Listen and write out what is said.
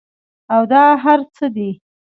او دا هر څۀ دي